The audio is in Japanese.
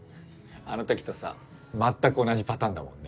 あの時とさ全く同じパターンだもんね。